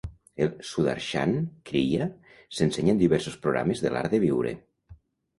El Sudarshan Kriya s'ensenya en diversos programes de l'Art de viure.